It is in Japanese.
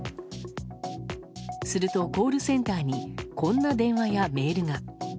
すると、コールセンターにこんな電話やメールが。